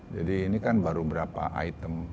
jadi ini kan baru berapa item